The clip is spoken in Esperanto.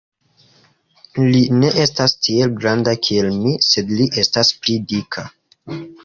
Li ne estas tiel granda kiel mi, sed li estas pli dika.